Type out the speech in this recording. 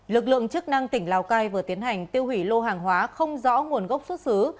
lực lượng chức năng tỉnh lào cai vừa tiến hành tiêu hủy lô hàng hóa không rõ nguồn gốc xuất xứ